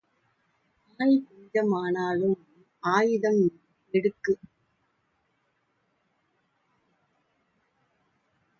ஆள் கொஞ்சமானாலும் ஆயுதம் மிடுக்கு.